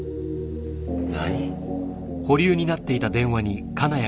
何！？